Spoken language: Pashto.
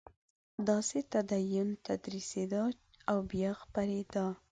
داسې تدین تدریسېده او بیا خپرېده.